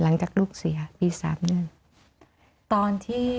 หลังจากลูกเสียปี๓เดือน